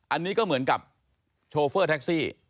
อันนี้ก็เหมือนกับโชเฟอร์แท็กซี่